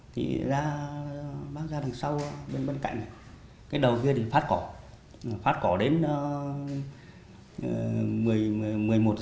thì ra bác ra đằng sau bên bên cạnh cái đầu kia thì phát cỏ phát cỏ đến một mươi một h mấy rồi bác mới về